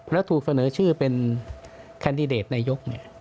แล้วถูกเสนอชื่อเป็นแคนดิเดตนายก